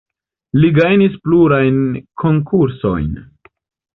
Li gajnis plurajn konkursojn.